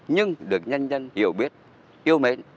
nhưng được nhân dân hiểu biết yêu mến